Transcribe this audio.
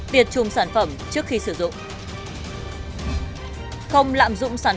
tiệt chung sản phẩm trước khi sử dụng